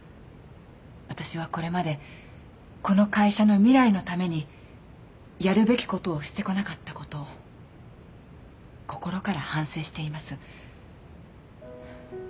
私はこれまでこの会社の未来のためにやるべきことをしてこなかったことを心から反省しています。